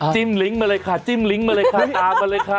ลิงก์มาเลยค่ะจิ้มลิงก์มาเลยค่ะตามมาเลยค่ะ